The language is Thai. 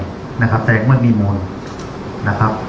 แต่ยังไม่มีมนต์